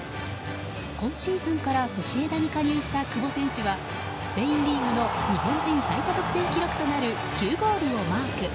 今シーズンからソシエダに加入した久保選手はスペインリーグの日本人最多得点記録となる９ゴールをマーク。